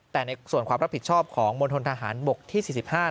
แต่ในส่วนความรับผิดชอบของมณฑนทหารบกที่๔๕